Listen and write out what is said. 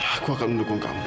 aku akan mendukung kamu